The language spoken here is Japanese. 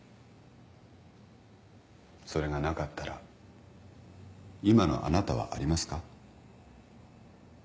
それがなかったら今のあなたはありますか。